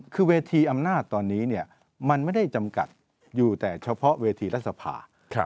คือเวทีอำนาจตอนนี้มันไม่ได้จำกัดอยู่แต่เฉพาะเวทีรัฐสภา